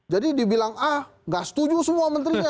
jadi dibilang ah gak setuju semua menterinya ya